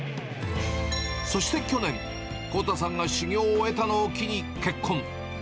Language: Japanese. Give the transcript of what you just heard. そして去年、康太さんが修業を終えたのを機に結婚。